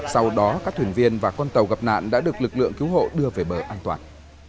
sau đó các thuyền viên và con tàu gặp nạn đã được lực lượng cứu hộ đưa về bờ an toàn